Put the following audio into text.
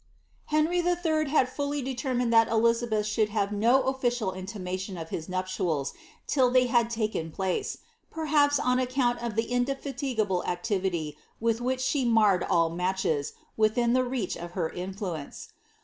Henry III. had fully determined that Elizabeth should have no official btimation of his nuptials till they had taken place, perhaps on account of the indefatigable activity with which she marred all matches, within the reach of her influence.